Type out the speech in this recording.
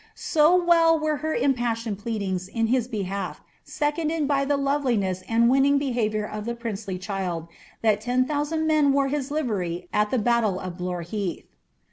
So well were her impassioned pleadings in hia behalf seconded by the loveliness and winning behaviour of the princely child, that ten thousand men wore his livery at the buttle of Blore heath.